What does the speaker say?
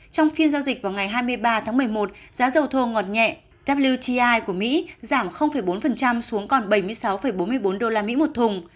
trong phiên giao dịch vào ngày hai mươi ba tháng một mươi một giá dầu thô ngọt nhẹ wti của mỹ giảm bốn xuống còn bảy mươi sáu bốn mươi bốn usd một thùng